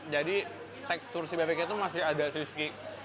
jadi tekstur si bebek itu masih ada sui suki